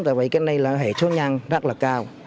tại vì cái này là hệ số nhân rất là cao